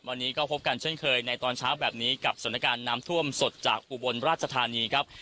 วันนี้ก็พบกันเช่นเคยในตอนเช้าแบบนี้กับสถานการณ์น้ำท่วมสดจากอุบลราชธานีครับ